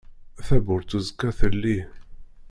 Tabburt uẓekka telli.